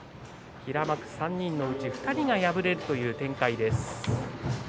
平幕３人のうち２人が敗れるという展開です。